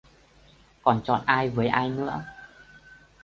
Còn chọn ai với ai nữa